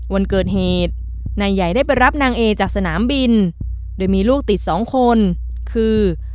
วันเกิดเหตุนายใหญ่ได้ไปรับนางเอจากสนามบินโดยมีลูกติดสองคนคือ